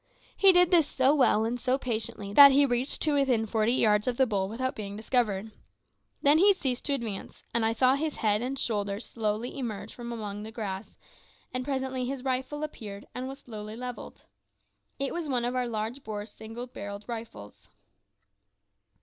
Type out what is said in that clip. He did this so well and so patiently that he reached to within forty yards of the bull without being discovered. Then he ceased to advance, and I saw his head and shoulders slowly emerge from among the grass, and presently his rifle appeared, and was slowly levelled. It was one of our large bore single barrelled rifles.